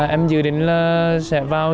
em dự định là sẽ vào